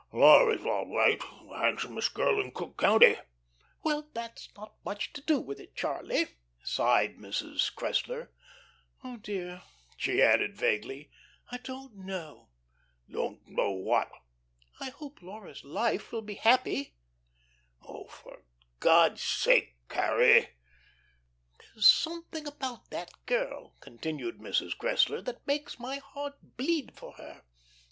"Pshaw! Laura's all right. The handsomest girl in Cook County." "Well, that's not much to do with it, Charlie," sighed Mrs. Cressler. "Oh, dear," she added vaguely. "I don't know." "Don't know what?" "I hope Laura's life will be happy." "Oh, for God's sake, Carrie!" "There's something about that girl," continued Mrs. Cressler, "that makes my heart bleed for her."